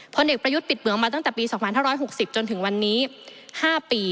พลเอกประยุทธ์ปิดเมืองมาตั้งแต่ปี๒๕๖๐จนถึงวันนี้๕ปี